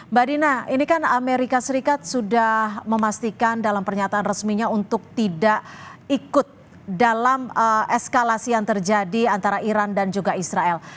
mbak dina ini kan amerika serikat sudah memastikan dalam pernyataan resminya untuk tidak ikut dalam eskalasi yang terjadi antara iran dan juga israel